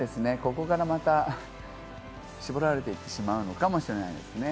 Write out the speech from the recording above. ここからまた絞られていってしまうのかもしれないですね。